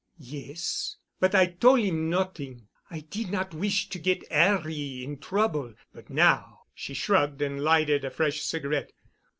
"Yes. But I tol' 'im not'ing. I did not wish to get 'Arry in trouble. But now——," she shrugged and lighted a fresh cigarette.